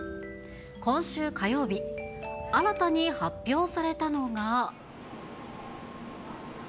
今週火曜日、新たに発表されたのが。